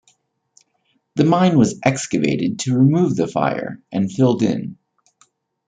The mine was excavated to remove the fire and filled in.